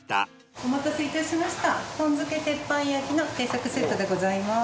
お待たせいたしましたとん漬鉄板焼きの定食セットでございます。